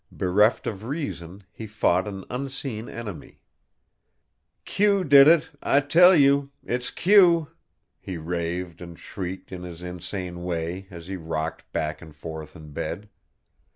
Bereft of reason, he fought an unseen enemy. "Q did it, I tell you it's Q," he raved and shrieked in his insane way as he rocked back and forth in bed.